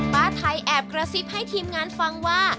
ป้าไทยแอบกระซิบให้ทีมงานฟังว่า